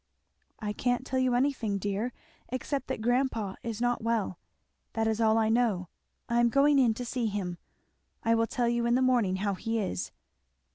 "I can't tell you anything, dear, except that grandpa is not well that is all I know I am going in to see him. I will tell you in the morning how he is."